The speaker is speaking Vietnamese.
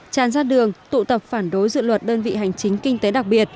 tràn ra đường tụ tập phản đối dự luật đơn vị hành chính kinh tế đặc biệt